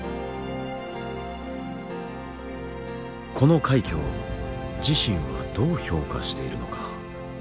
この快挙を自身はどう評価しているのか。